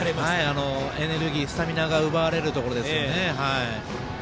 エネルギースタミナが奪われるところです。